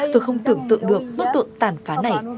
tôi không tưởng tượng được bước đột tàn phá này